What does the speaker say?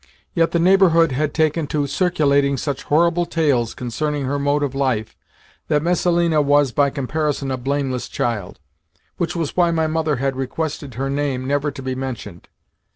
Yet the neighbourhood had taken to circulating such horrible tales concerning her mode of life that Messalina was, by comparison, a blameless child: which was why my mother had requested her name never to be mentioned.